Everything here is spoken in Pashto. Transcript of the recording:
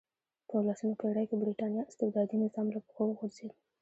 په اولسمه پېړۍ کې برېټانیا استبدادي نظام له پښو وغورځېد.